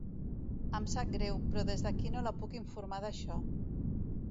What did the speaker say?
Em sap greu, però des d'aquí no la puc informar d'això.